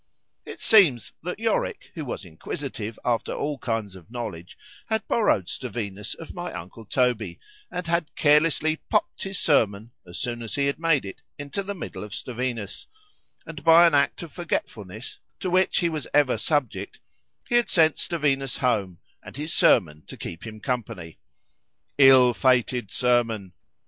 It seems that Yorick, who was inquisitive after all kinds of knowledge, had borrowed Stevinus of my uncle Toby, and had carelesly popped his sermon, as soon as he had made it, into the middle of Stevinus; and by an act of forgetfulness, to which he was ever subject, he had sent Stevinus home, and his sermon to keep him company. Ill fated sermon!